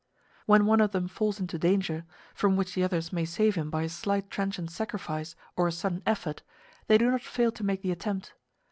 When one of them falls into danger, from which the others may save him by a slight transient sacrifice or a sudden effort, they do not fail to make the attempt.